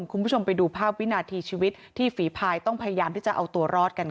คุณผู้ชมไปดูภาพวินาทีชีวิตที่ฝีพายต้องพยายามที่จะเอาตัวรอดกันค่ะ